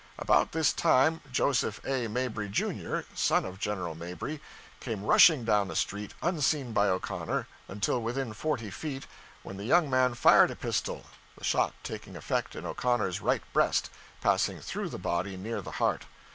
About this time Joseph A. Mabry, Jr., son of General Mabry, came rushing down the street, unseen by O'Connor until within forty feet, when the young man fired a pistol, the shot taking effect in O'Connor's right breast, passing through the body near the heart.